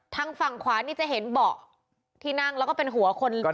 ทางฝั่งขวานี่จะเห็นเบาะที่นั่งแล้วก็เป็นหัวคน